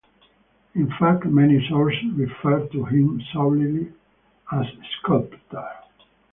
In fact many sources refer to him solely as sculptor.